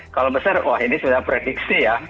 kalau besar wah ini sebenarnya prediksi ya